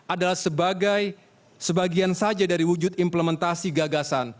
adalah sebagai sebagian saja dari wujud implementasi gagasan